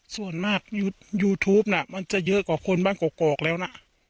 ส่วนมากยูทูปน่ะมันจะเยอะกว่าคนบ้านกอกแล้วนะ